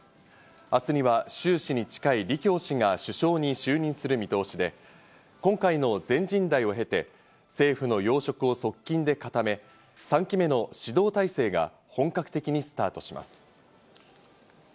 明日にはシュウ氏に近い、リ・キョウ氏が首相に就任する見通しで、今回の全人代を経て、政府の要職を側近で固め、３期目の指導体制が本格的にスタートします。